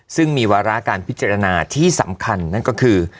ซึ่งมีวาระการพิจารณาที่สำคัญนั่นก็คือ